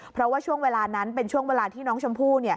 เพราะว่าช่วงเวลานั้นเป็นช่วงเวลาที่น้องชมพู่